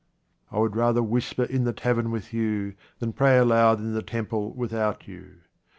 I WOULD rather whisper in the tavern with you than pray aloud in the temple without you.